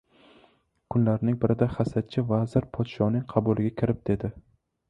Kunlarning birida hasadchi vazir podshoning qabuliga kirib, dedi: